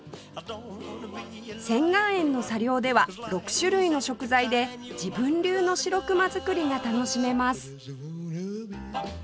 仙巌園の茶寮では６種類の食材で自分流の白くま作りが楽しめます